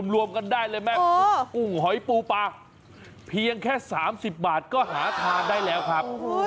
รวมกันได้เลยแม่กุ้งหอยปูปลาเพียงแค่๓๐บาทก็หาทานได้แล้วครับ